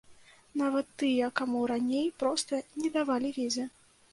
Нават тыя, каму раней проста не давалі візы.